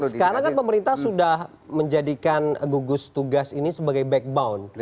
sekarang kan pemerintah sudah menjadikan gugus tugas ini sebagai backbone